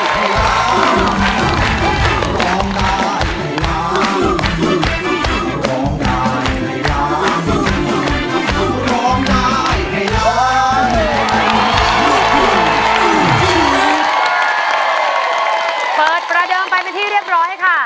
เปิดประเดิมไปเป็นที่เรียบร้อยค่ะ